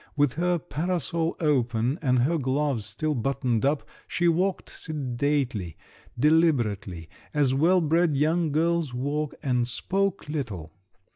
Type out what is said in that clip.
With her parasol open and her gloves still buttoned up, she walked sedately, deliberately, as well bred young girls walk, and spoke little.